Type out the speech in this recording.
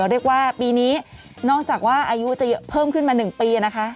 เรียกว่าปีนี้นอกจากว่าอายุจะเพิ่มขึ้นมา๑ปีนะคะ